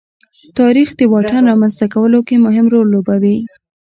تاریخ د واټن رامنځته کولو کې مهم رول لوبوي.